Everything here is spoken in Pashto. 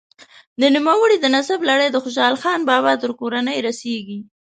د نوموړي د نسب لړۍ د خوشحال خان بابا تر کورنۍ رسیږي.